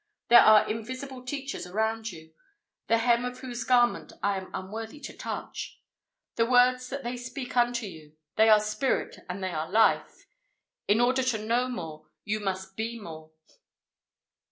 There are invisible teachers around you, the hem of whose garments I am unworthy to touch. "The words that they speak unto you they are Spirit and they are Life." "In order to know more you must be more."